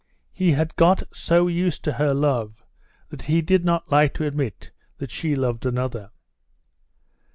He had got so used to her love that he did not like to admit that she loved another.